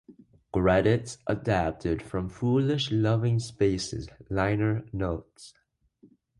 Credits adapted from "Foolish Loving Spaces" liner notes.